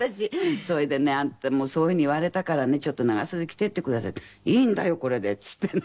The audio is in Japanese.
それでね「あんたもうそういう風に言われたからね長袖着ていってください」って言うと「いいんだよこれで」っつってね。